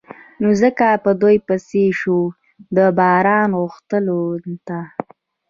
نو ځکه په دوی پسې شو د باران غوښتلو ته.